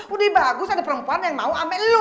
udah lebih bagus ada perempuan yang mau ama lo